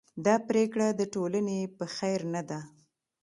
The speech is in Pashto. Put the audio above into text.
دا پرېکړه د ټولنې په خیر نه ده.